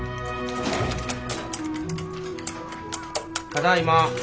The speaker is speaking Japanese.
ただいま。